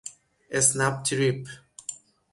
اسنپ تریپ